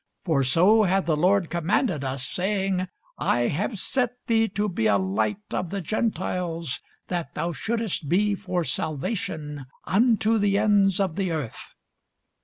For so hath the Lord commanded us, saying, I have set thee to be a light of the Gentiles, that thou shouldest be for salvation unto the ends of the earth.